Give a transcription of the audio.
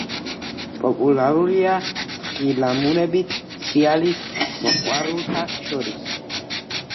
პოპულარულია თხილამურებით სრიალის მოყვარულთა შორის.